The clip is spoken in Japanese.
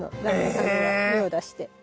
タネが芽を出して。